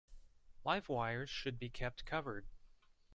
Live wires should be kept covered.